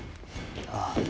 ああ。